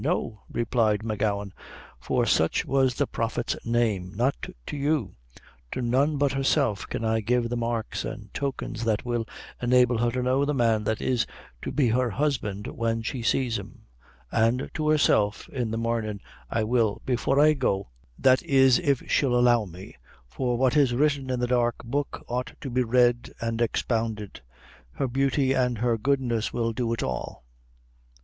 "No," replied M'Gowan, for such was the prophet's name, "not to you; to none but herself can I give the marks an' tokens that will enable her to know the man that is to be her husband when she sees him; and to herself, in the mornin', I will, before I go that is if she'll allow me for what is written in the dark book ought to be read and expounded. Her beauty an' her goodness will do it all!"